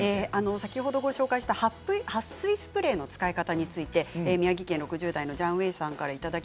先ほどご紹介したはっ水スプレーの使い方について宮城県６０代の方からです。